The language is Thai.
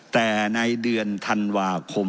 แต่ในเดือนธันวาคม